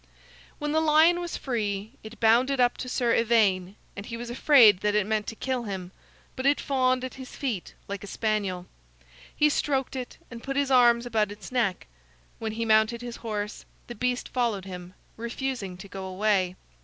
When the lion was free, it bounded up to Sir Ivaine, and he was afraid that it meant to kill him; but it fawned at his feet like a spaniel. He stroked it, and put his arms about its neck. When he mounted his horse, the beast followed him, refusing to go away.